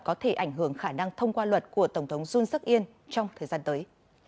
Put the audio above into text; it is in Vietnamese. có thể ảnh hưởng khả năng thông qua luật của tổng thống jun suk in trong thời gian tới